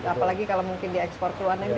apalagi kalau mungkin diekspor keluar